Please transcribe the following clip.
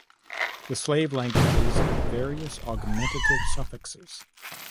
The slave languages have various augmentative suffixes.